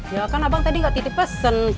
ya kan abang tadi nggak titip pesen